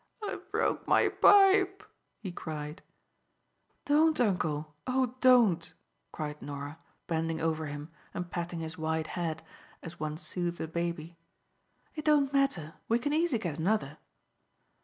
"I've broke my pipe," he cried. "Don't, uncle; oh, don't!" cried Norah, bending over him, and patting his white head as one soothes a baby. "It don't matter. We can easy get another."